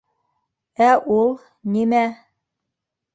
Ә ул... нимә?